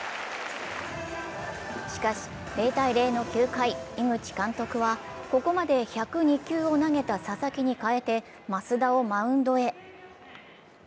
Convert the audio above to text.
しかし、０−０の９回井口監督はここまで１０２球を投げた佐々木に代えて益田をマウンドへ。